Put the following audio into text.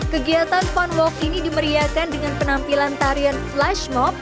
kegiatan fun walk ini dimeriakan dengan penampilan tarian flash mob